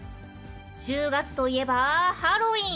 １０月といえばハロウィーン。